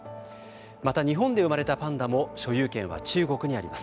また日本で生まれたパンダも所有権は中国にあります。